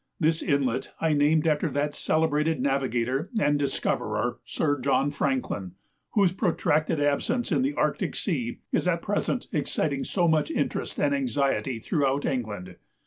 This inlet I named after that celebrated navigator and discoverer Sir John Franklin, whose protracted absence in the Arctic Sea is at present exciting so much interest and anxiety throughout England.